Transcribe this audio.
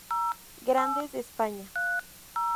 Grandes de España.